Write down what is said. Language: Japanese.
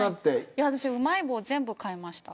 うまい棒、全部買いました。